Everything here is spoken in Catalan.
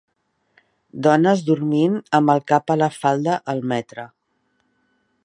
Dones dormint amb el cap a la falda al metre.